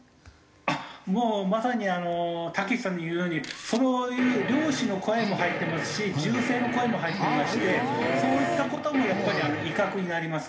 あっもうまさにあのたけしさんの言うようにそういう猟師の声も入ってますし銃声の声も入っていましてそういった事もやっぱりあの威嚇になります。